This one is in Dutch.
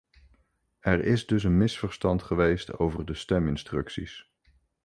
Er is dus een misverstand geweest over de steminstructies.